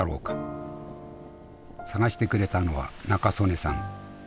捜してくれたのは仲宗根さん。